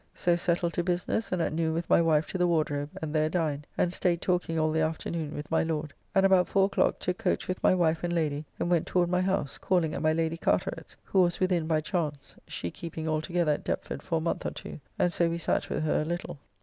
So settled to business, and at noon with my wife to the Wardrobe, and there dined, and staid talking all the afternoon with my Lord, and about four o'clock took coach with my wife and Lady, and went toward my house, calling at my Lady Carteret's, who was within by chance (she keeping altogether at Deptford for a month or two), and so we sat with her a little.